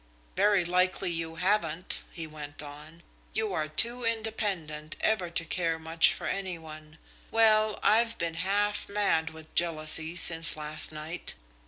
"Very likely you haven't," he went on. "You are too independent ever to care much for any one. Well, I've been half mad with jealousy since last night.